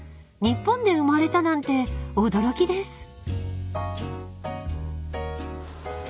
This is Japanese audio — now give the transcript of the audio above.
［日本で生まれたなんて驚きです］